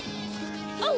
あっ！